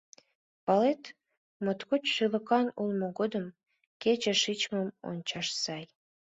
— Палет… моткоч шӱлыкан улмо годым кече шичмым ончаш сай.